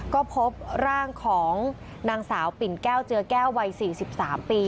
ก็พบร่างของนางสาวปิ่นแก้วเจือแก้ววัย๔๓ปี